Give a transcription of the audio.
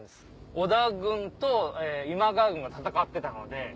織田軍と今川軍が戦ってたので。